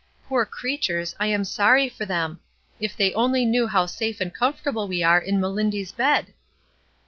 Poor creatures, I am sorry for them ! if they only knew how safe and com fortable we are in Melindy's bed